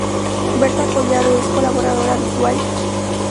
Berta Collado es colaboradora habitual.